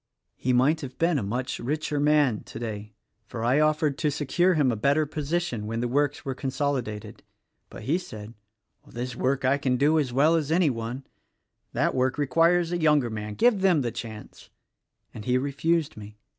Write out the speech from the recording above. "He might have been a much richer man today, for I offered to secure him a better position when the works were consolidated; but he said, 'This work I can do as well as any one — that work requires a younger man: give them the chance,' — and he refused me.